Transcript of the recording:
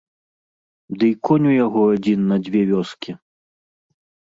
Ды й конь у яго адзін на дзве вёскі.